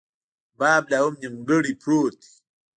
باب لا هم نیمګړۍ پروت دی.